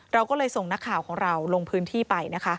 เราก็เลยส่งนักข่าวของเราลงพื้นที่ไปนะคะ